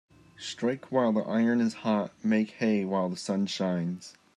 Strike while the iron is hot Make hay while the sun shines.